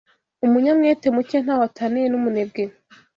Umunyamwete muke ntaho ataniye n’ umunebwe